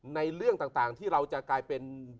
เรื่องต่างที่เราจะกลายเป็น